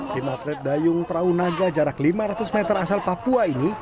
tim atlet dayung perahu naga jarak lima ratus meter asal papua ini